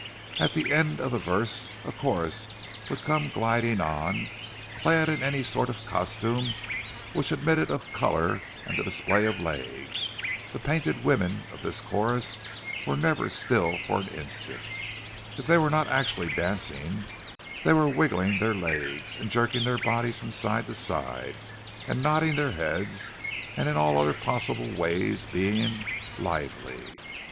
At the end of the verse a chorus would come gliding on, clad in any sort of costume which admitted of colour and the display of legs; the painted women of this chorus were never still for an instant—if they were not actually dancing, they were wriggling their legs, and jerking their bodies from side to side, and nodding their heads, and in all other possible ways being "lively."